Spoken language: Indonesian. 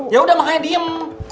yaudah makanya diem